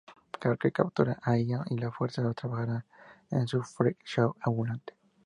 Harker captura a Ian y le fuerza a trabajar en su freak show ambulante.